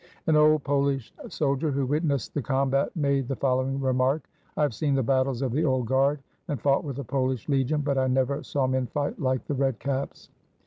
An old Polish soldier who witnessed the combat, made the following remark: "I have seen the battles of the Old Guard, and fought with the Pohsh legion, but I never saw men fight like the red caps!"